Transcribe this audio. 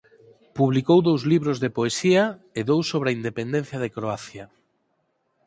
Publicou dous libros de poesía e dous sobre a independencia de Croacia.